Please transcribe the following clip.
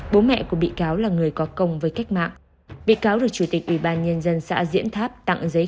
bố mẹ của bị cáo là người có công với cách mạng bị cáo được chủ tịch ubnd xã diễn tháp tặng giấy